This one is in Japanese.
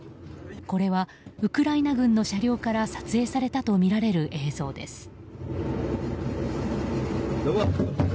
これはウクライナ軍の車両から撮影されたとみられる映像です。